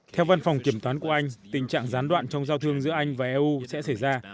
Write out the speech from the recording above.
theo văn phòng kiểm toán của anh tình trạng gián đoạn trong giao thương giữa anh và eu sẽ xảy ra